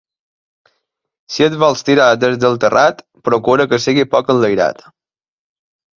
Si et vols tirar des del terrat, procura que sigui poc enlairat.